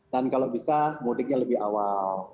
dan kalau bisa mudiknya lebih awal